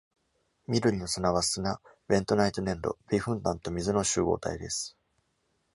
緑の砂は、砂、ベントナイト粘土、微粉炭と水の集合体です。